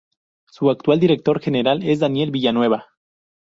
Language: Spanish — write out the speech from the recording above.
Su actual Director General es Daniel Villanueva.